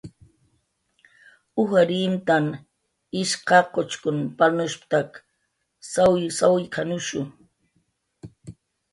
"Ujar imtan ish qachuchkun palnushp""tak sawy sawk""anushu"